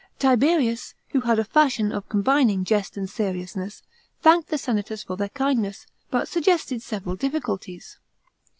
Tiberius, who had a fashion of combining jest and seriousness, thanked the senators for their kindness, but suggested several difficulties.